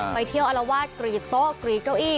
ไปเที่ยวอารวาสกรีดโต๊ะกรีดเก้าอี้